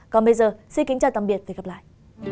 còn bây giờ xin kính chào tạm biệt và hẹn gặp lại